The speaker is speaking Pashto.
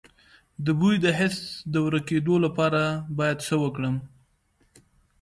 د بوی د حس د ورکیدو لپاره باید څه وکړم؟